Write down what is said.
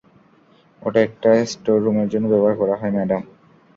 ওটা একটা স্টোররুমের জন্য ব্যবহার করা হয়, ম্যাডাম।